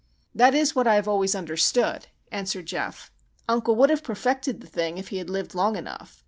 "That is what I have always understood," answered Geof. "Uncle would have perfected the thing if he had lived long enough.